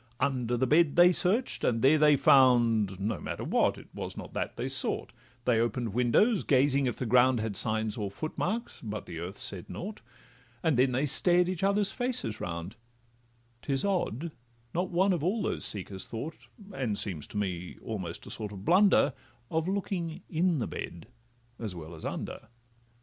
Under the bed they search'd, and there they found— No matter what—it was not that they sought; They open'd windows, gazing if the ground Had signs or footmarks, but the earth said nought; And then they stared each other's faces round: 'Tis odd, not one of all these seekers thought, And seems to me almost a sort of blunder, Of looking in the bed as well as under.